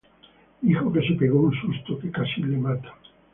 Dijo que "se pegó un susto que casi la mata".